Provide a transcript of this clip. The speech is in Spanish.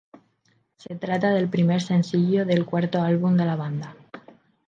Se trata del primer sencillo del cuarto álbum de la banda.